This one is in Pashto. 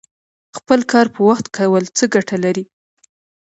خپل کار په وخت کول څه ګټه لري؟